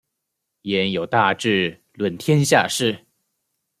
焉有大智论天下事！